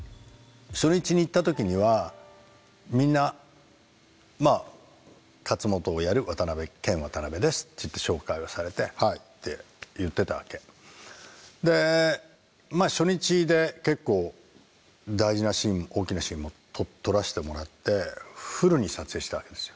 初日に行った時には「みんな勝元をやるケン・ワタナベです」って言って紹介をされて「ハイ」って言ってたわけ。で初日で結構大事なシーン大きなシーンも撮らせてもらってフルに撮影したわけですよ。